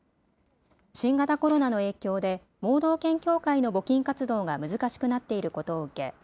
新型コロナの影響で盲導犬協会の募金活動が難しくなっていることを受け